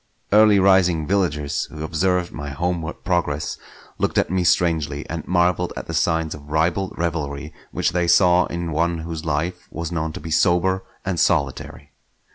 Early rising villagers who observed my homeward progress looked at me strangely, and marvelled at the signs of ribald revelry which they saw in one whose life was known to be sober and solitary.